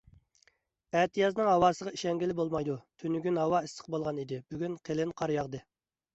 ئەتىيازنىڭ ھاۋاسىغا ئىشەنگىلى بولمايدۇ. تۈنۈگۈن ھاۋا ئىسسىق بولغان ئىدى، بۈگۈن قېلىن قار ياغدى.